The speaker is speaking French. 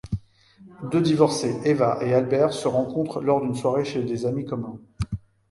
Deux divorcés, Eva et Albert, se rencontrent lors d'une soirée chez des amis communs.